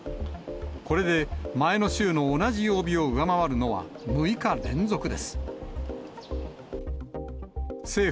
これで、前の週の同じ曜日を上回るのは６日連続です。